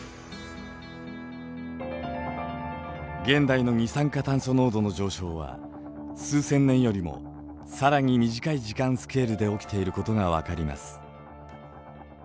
現代の二酸化炭素濃度の上昇は数千年よりも更に短い時間スケールで起きていることが分かります。